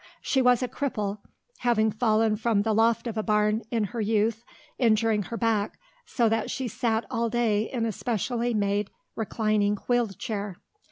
She was a cripple, having fallen from the loft of a barn in her youth injuring her back so that she sat all day in a specially made reclining wheeled chair.